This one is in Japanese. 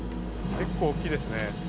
結構、大きいですね。